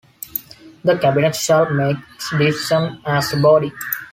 The Cabinet shall make its decisions as a body.